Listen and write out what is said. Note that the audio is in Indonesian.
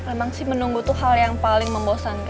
emang sih menunggu tuh hal yang paling membosankan ya gak boy